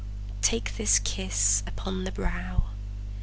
Take this kiss upon the brow!